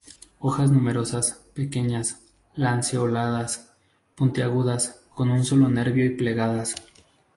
Hojas numerosas, pequeñas, lanceoladas, puntiagudas, con un solo nervio y plegadas.